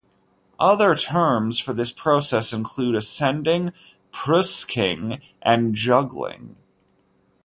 Other terms for this process include ascending, prusiking and jugging.